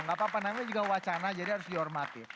nggak apa apa namanya juga wacana jadi harus dihormati